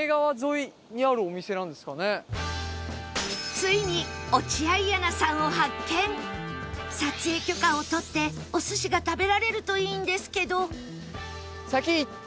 ついに撮影許可を取ってお寿司が食べられるといいんですけど